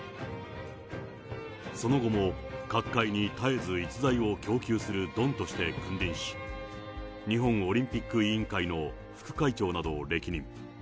その後も各界に絶えず逸材を供給するドンとして君臨し、日本オリンピック委員会の副会長などを歴任。